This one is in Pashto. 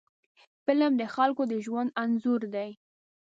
فلم د خلکو د ژوند انځور دی